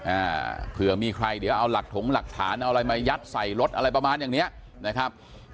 อ่าเผื่อมีใครเดี๋ยวเอาหลักถงหลักฐานเอาอะไรมายัดใส่รถอะไรประมาณอย่างเนี้ยนะครับ